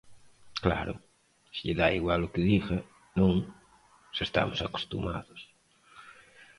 Claro, se lle dá igual o que diga, ¿non?, se estamos acostumados.